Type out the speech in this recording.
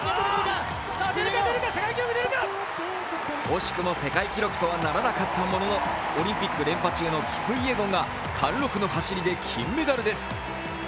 惜しくも世界記録とはならなかったもののオリンピック連覇中のキプイエゴンが貫禄の走りで金メダルです。